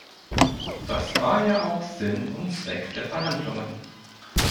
Das war ja auch Sinn und Zweck der Verhandlungen.